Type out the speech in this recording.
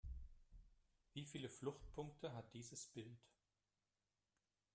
Wie viele Fluchtpunkte hat dieses Bild?